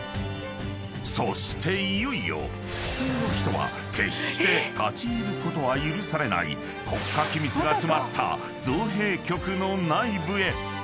［そしていよいよ普通の人は決して立ち入ることは許されない国家機密が詰まった造幣局の内部へ］